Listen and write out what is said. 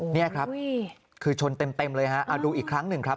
นี่ครับคือชนเต็มเลยฮะเอาดูอีกครั้งหนึ่งครับ